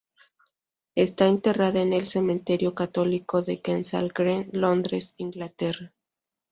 Está enterrada en el cementerio católico de Kensal Green, Londres, Inglaterra.